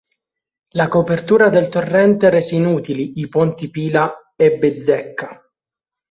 La copertura del torrente rese inutili i ponti Pila e Bezzecca.